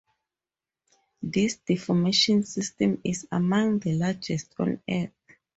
This deformation system is among the largest on Earth.